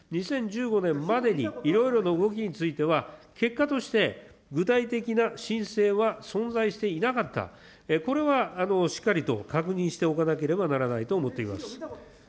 ２０１５年までにいろいろな動きについては結果として、具体的な申請は存在していなかった、これはしっかりと確認しておかなければならないと思っています。